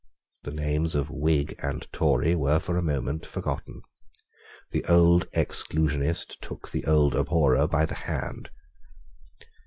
The names of Whig and Tory were for a moment forgotten. The old Exclusionist took the old Abhorrer by the hand.